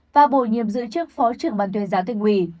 và bổ nhiệm giữ chức phó trưởng ban tuyên giáo tỉnh ủy